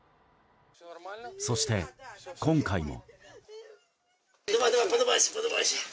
そして今回も。